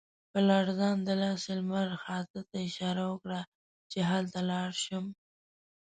په لړزانده لاس یې لمر خاته ته اشاره وکړه چې هلته لاړ شم.